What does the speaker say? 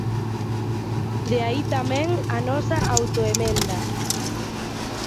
De aí tamén a nosa autoemenda.